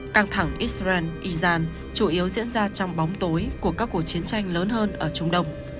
căng thẳng israel isaan chủ yếu diễn ra trong bóng tối của các cuộc chiến tranh lớn hơn ở trung đông